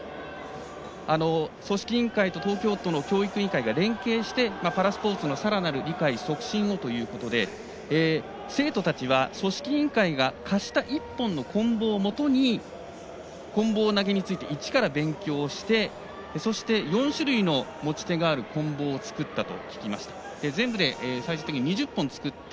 組織委員会と東京都の教育委員会が連携して、パラスポーツのさらなる理解促進をということで生徒たちは組織委員会が貸した一本のこん棒をもとにこん棒投げについて一から勉強してそして、４種類の持ち手があるこん棒を作ったと聞きました。